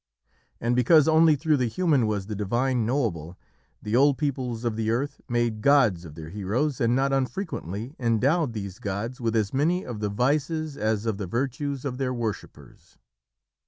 And because only through the human was the divine knowable, the old peoples of the earth made gods of their heroes and not unfrequently endowed these gods with as many of the vices as of the virtues of their worshippers.